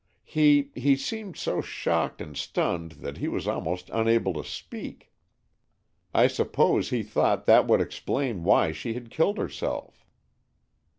"He—he seemed so shocked and stunned that he was almost unable to speak. I suppose he thought that would explain why she had killed herself."